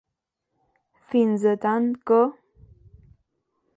Fins a tant que.